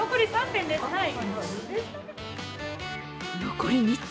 残り３つ。